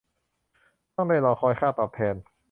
ต้องได้รอคอยค่าตอบแทน